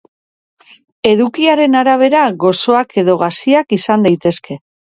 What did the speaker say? Edukiaren arabera gozoak edo gaziak izan daitezke.